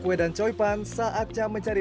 kue dan coipan saatnya mencari